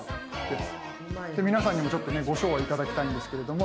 で皆さんにもちょっとねご唱和頂きたいんですけれども。